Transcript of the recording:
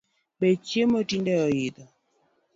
Bech chiemo tinde oidho